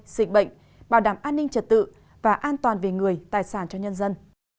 dịch bệnh bảo đảm an ninh trật tự và an toàn về người tài sản cho nhân dân